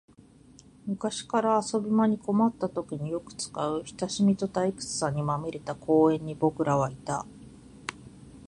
昔から遊び場に困ったときによく使う、親しみと退屈さにまみれた公園に僕らはいた